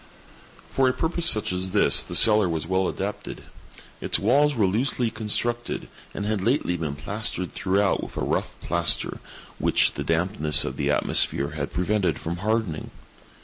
For a purpose such as this the cellar was well adapted. Its walls were loosely constructed, and had lately been plastered throughout with a rough plaster, which the dampness of the atmosphere had prevented from hardening.